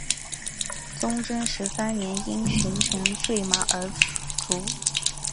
崇祯十三年因巡城坠马而卒。